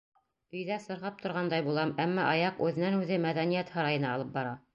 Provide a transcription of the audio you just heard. Өйҙә сырхап торғандай булам, әммә аяҡ үҙенән-үҙе мәҙәниәт һарайына алып бара.